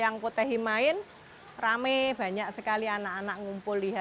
yang potehi main rame banyak sekali anak anak ngumpul lihat